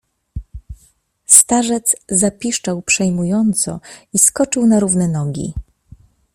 "Starzec zapiszczał przejmująco i skoczył na równe nogi."